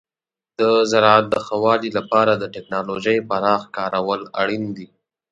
د زراعت د ښه والي لپاره د تکنالوژۍ پراخ کارول اړین دي.